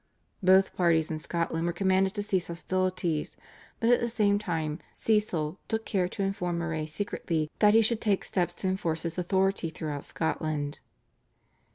Both parties in Scotland were commanded to cease hostilities, but at the same time Cecil took care to inform Moray secretly that he should take steps to enforce his authority throughout Scotland.